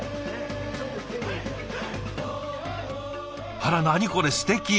あら何これすてき。